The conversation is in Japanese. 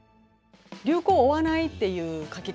流行を追わないっていう描き方それプラス